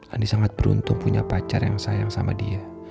andi sangat beruntung punya pacar yang sayang sama dia